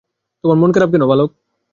তোমার মন খারাপ কেন, বালক?